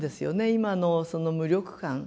今のその無力感。